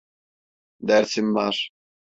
Dersim var.